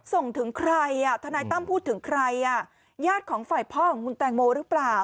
ส่งถึงใครอ่ะทนายตั้มพูดถึงใครญาติของฝ่ายพ่อของคุณแตงโมหรือเปล่า